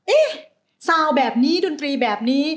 เอ๊ะซาวน์แบบนี้ดนตรีแบบนี้